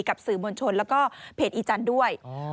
กับสือมนชนและเภชอีจันทร์ด้วย